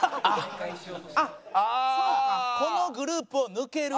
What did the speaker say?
このグループを抜ける。